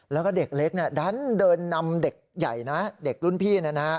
แล้วก็เด็กเล็กดันเดินนำเด็กใหญ่นะเด็กรุ่นพี่